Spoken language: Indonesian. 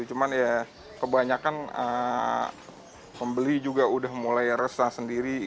cuman ya kebanyakan pembeli juga udah mulai resah sendiri